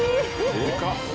でかっ！